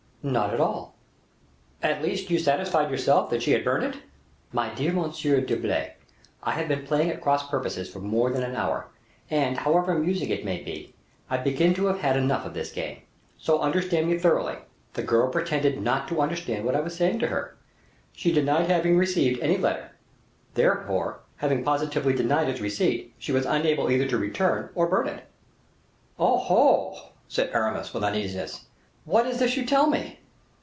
"Not at all." "At least, you satisfied yourself that she had burnt it." "My dear Monsieur d'Herblay, I have been playing at cross purposes for more than an hour, and, however amusing it may be, I begin to have had enough of this game. So understand me thoroughly: the girl pretended not to understand what I was saying to her; she denied having received any letter; therefore, having positively denied its receipt, she was unable either to return or burn it." "Oh, oh!" said Aramis, with uneasiness, "what is this you tell me?"